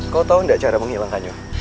kau tahu nggak cara menghilangkannya